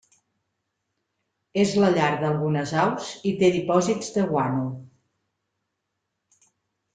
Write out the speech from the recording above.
És la llar d'algunes aus i té dipòsits de guano.